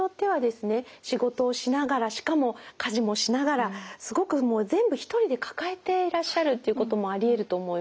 仕事をしながらしかも家事もしながらすごくもう全部一人で抱えていらっしゃるということもありえると思います。